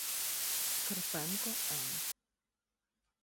Карпенко Н.